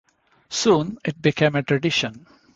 Soon it became a tradition.